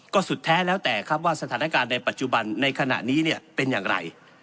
ก็สุดแท้แล้วแต่ครับว่าสถานการณ์ในปัจจุบันในขณะนี้เนี่ยเป็นอย่างไร